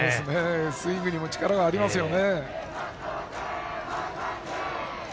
スイングにも力がありますよね。